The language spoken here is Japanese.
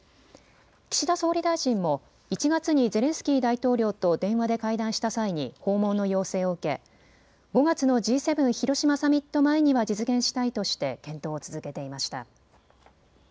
岸田総理大臣も１月にゼレンスキー大統領と電話で会談した際に訪問の要請を受け５月のＧ７広島サミット前には実現したいとして検討を続けていました。